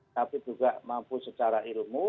tapi juga mampu secara ilmu